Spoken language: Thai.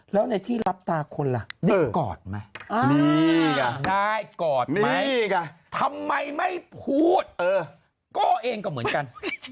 แล้วในที่รับตาคนล่ะได้กอดไหมนี่ไงได้กอดไหมทำไมไม่พูดก็เองก็เหมือนกัน